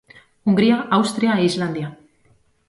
Hungría, Austria e Islandia.